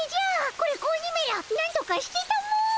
これ子鬼めらなんとかしてたも！